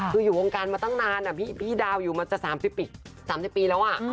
คืออยู่วงการมาตั้งนานพี่ดาวอยู่มาจะ๓๐ปีแล้ว